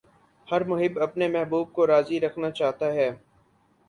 ہر محب اپنے محبوب کو راضی رکھنا چاہتا ہے۔